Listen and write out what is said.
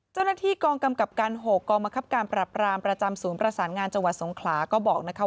เจ้าหน้าที่กองกำกับการ๖กองบังคับการปรับรามประจำศูนย์ประสานงานจังหวัดสงขลาก็บอกนะคะ